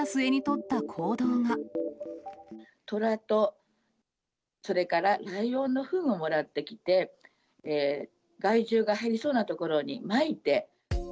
トラと、それからライオンのふんをもらってきて、害獣が入りそうな所にまいて。